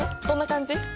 どんな感じ？